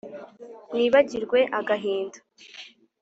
mwibagirwe agahinda